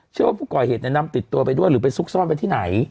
เชื่อว่าก่อเหตุเนี่ยนำติดตัวไปด้วยหรือไปซุกซ่อนไปที่ไหน